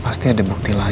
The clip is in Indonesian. pasti ada bukti lain